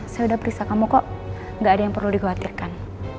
saya sudah periksa kamu kok gak ada yang perlu dikhawatirkan